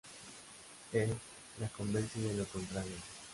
Él la convence de lo contrario.